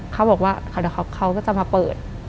เขาบอกว่าเดี๋ยวเขาก็จะมาเปิด